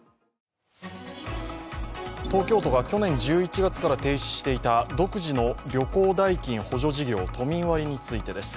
東京都が去年１１月から停止していた独自の旅行代金補助事業、都民割についてです。